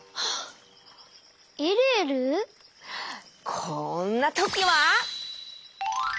こんなときは！